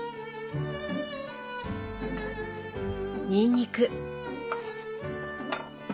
にんにく。